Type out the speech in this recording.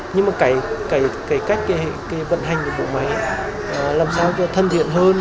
nhưng mà cái cách vận hành của bộ máy làm sao cho thân thiện hơn